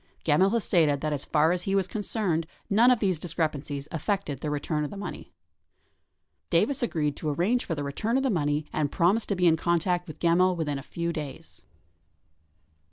Gemmill has stated that as far as he was concerned, none of these discrepancies affected the return of the money. Davis agreed to arrange for the return of the money and promised to be in contact with Gemmill within a few days.